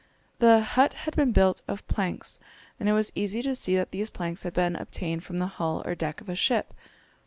The hut had been built of planks, and it was easy to see that these planks had been obtained from the hull or deck of a ship.